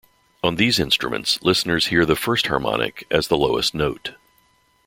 On these instruments, listeners hear the first harmonic as the lowest note.